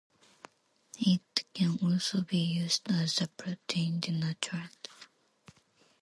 It can also be used as a protein denaturant.